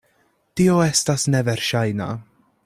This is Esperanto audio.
Tio estas neverŝajna.